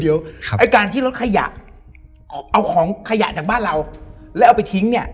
ไอ้การที่รถขยะเอาของขยะจากบ้านเราแล้วเอาไปทิ้งเนี่ย